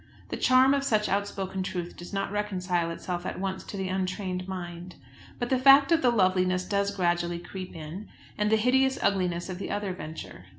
The charm of such outspoken truth does not reconcile itself at once to the untrained mind; but the fact of the loveliness does gradually creep in, and the hideous ugliness of the other venture.